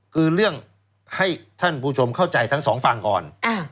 คือเรื่องให้ท่านผู้ชมเข้าใจทั้งสองฝั่งก่อน